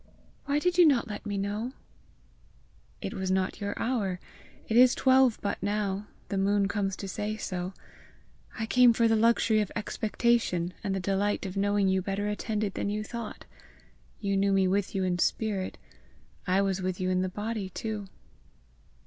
Why did you not let me know?" "It was not your hour; it is twelve but now; the moon comes to say so. I came for the luxury of expectation, and the delight of knowing you better attended than you thought: you knew me with you in spirit; I was with you in the body too!"